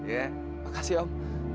ya makasih om